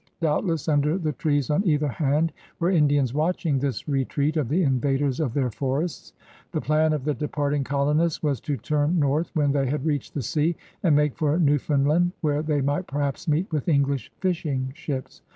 Doubtless under the trees on either hand were Indians watching this retreat ot the invaders of their forests. The plan of the departing colonists was to turn north, when they had reached the sea, and make for Newfoimdland, where they might perhaps meet with English fishing ships.